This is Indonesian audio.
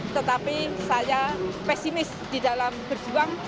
tetapi saya pesimis di dalam berjuang